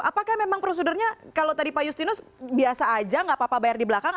apakah memang prosedurnya kalau tadi pak justinus biasa aja nggak apa apa bayar di belakang